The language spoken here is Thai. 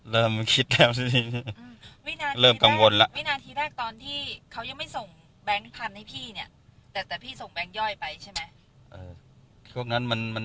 แล้วก็เลยพยายามเดินหน้า